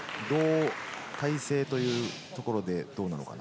体勢というところでどうなのかな？